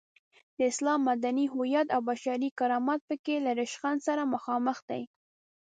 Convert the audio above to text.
د اسلام مدني هویت او بشري کرامت په کې له ریشخند سره مخامخ دی.